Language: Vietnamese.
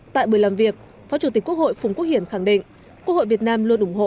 tại buổi làm việc phó chủ tịch quốc hội phùng quốc hiển khẳng định quốc hội việt nam luôn ủng hộ